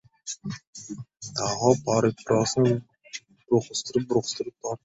Daho papirosini burqsitib-burqsitib tortdi.